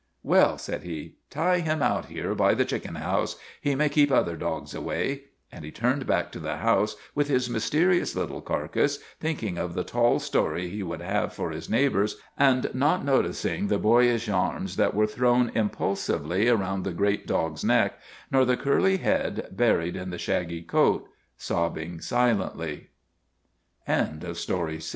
" Well," said he, " tie him out here by the chicken house. He may keep other dogs away." And he turned back to the house with his mysterious little carcass, thinking of the tall story he would have for his neighbors, and not noticing the boyish arms that were thrown impulsively about the great dog's neck, nor the curly hea